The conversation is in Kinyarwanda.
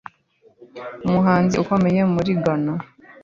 Umuhanzi ukomeye muri Ghana